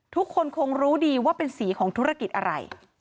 ทุกคนคงรู้ดีว่าเป็นสีของธุรกิจอะไร